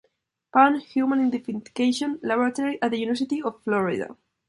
Pound Human Identification Laboratory at the University of Florida.